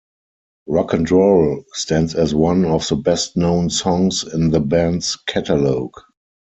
"Rock and Roll" stands as one of the best-known songs in the band's catalogue.